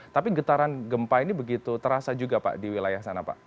tapi getaran gempa ini begitu terasa juga pak di wilayah sana pak